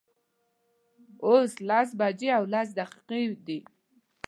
اوس لس بجې او لس دقیقې دي